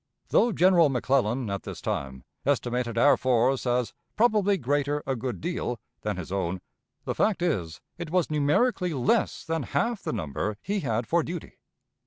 Though General McClellan at this time estimated our force as "probably greater a good deal" than his own, the fact is, it was numerically less than half the number he had for duty.